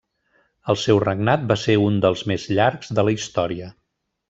El seu regnat va ser un dels més llargs de la Història.